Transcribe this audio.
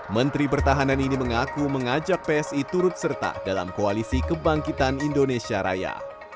menteri pertahanan ini mengaku mengajak psi turut serta dalam koalisi kebangkitan indonesia raya